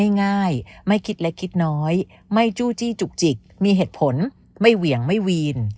ง่ายไม่คิดเล็กคิดน้อยไม่จู้จี้จุกจิกมีเหตุผลไม่เหวี่ยงไม่วีน